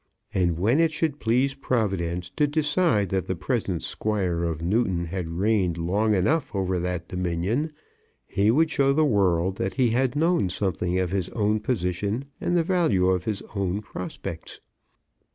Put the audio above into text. And when it should please Providence to decide that the present squire of Newton had reigned long enough over that dominion, he would show the world that he had known something of his own position and the value of his own prospects.